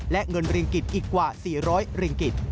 และเงินริงกิจอีกกว่า๔๐๐ริงกิจ